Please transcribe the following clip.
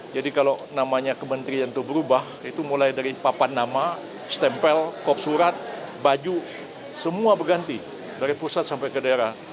jadi kalau namanya kementerian itu berubah itu mulai dari papan nama stempel kop surat baju semua berganti dari pusat sampai ke daerah